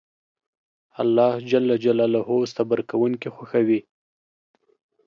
الله جل جلاله صبر کونکي خوښوي